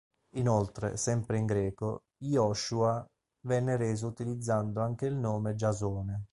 Inoltre, sempre in greco, "Yehoshu'a" venne reso utilizzando anche il nome Giasone.